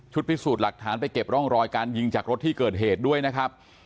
พิสูจน์หลักฐานไปเก็บร่องรอยการยิงจากรถที่เกิดเหตุด้วยนะครับ